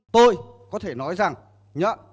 tôi có thể nói rằng nhớ